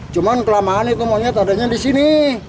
cuma kelamaan itu monyet adanya di sini